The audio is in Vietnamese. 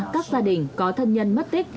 các gia đình có thân nhân mất tích